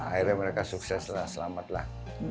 akhirnya mereka sukses lah selamat lah